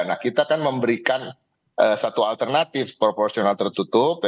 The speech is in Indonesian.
nah kita kan memberikan satu alternatif proporsional tertutup